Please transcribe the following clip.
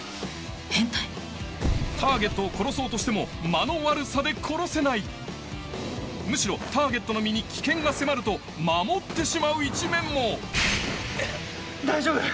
変態⁉ターゲットを殺そうとしてもむしろターゲットの身に危険が迫ると守ってしまう一面も大丈夫？